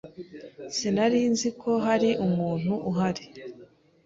Sinari nzi ko hari umuntu uhari.